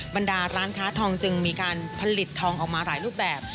บรรดาร้านค้าทองจึงมีการผลิตทองออกมาหลายรูปแบบ